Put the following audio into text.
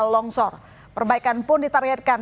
longsor perbaikan pun ditargetkan